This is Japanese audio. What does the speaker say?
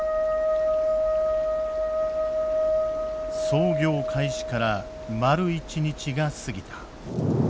操業開始から丸一日が過ぎた。